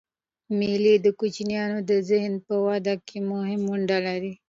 مېلې د کوچنيانو د ذهن په وده کښي مهمه ونډه لري.